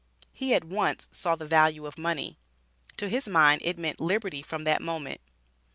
He at once saw the value of money. To his mind it meant liberty from that moment.